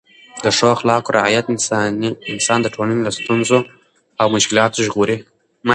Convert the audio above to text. د ښو اخلاقو رعایت انسان د ټولنې له ستونزو او مشکلاتو ژغوري.